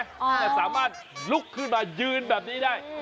แต่สามารถลุกขึ้นมายืนแบบนี้ได้